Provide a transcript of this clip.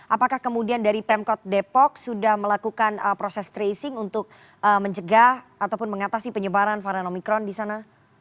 apakah kemudian dari pemkot depok sudah melakukan proses tracing untuk mencegah ataupun mengatasi penyebaran varian omikron di sana